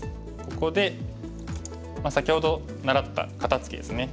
ここで先ほど習った肩ツキですね。